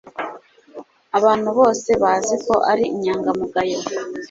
Abantu bose bazi ko ari inyangamugayo